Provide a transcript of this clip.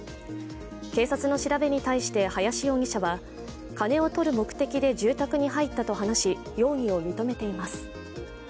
警察の調べに対して林容疑者は金を取る目的で住宅に入ったと話し容疑を認めています。